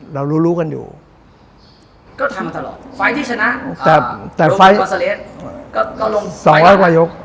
เรารู้รู้กันอยู่ก็ทำตลอดไฟล์ที่ชนะแต่ไฟล์ก็ลง๒๐๐กว่ายก